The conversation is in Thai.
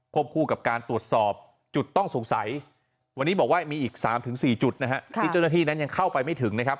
คู่กับการตรวจสอบจุดต้องสงสัยวันนี้บอกว่ามีอีก๓๔จุดนะฮะที่เจ้าหน้าที่นั้นยังเข้าไปไม่ถึงนะครับ